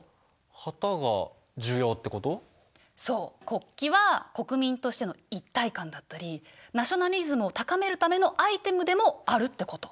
国旗は国民としての一体感だったりナショナリズムを高めるためのアイテムでもあるってこと。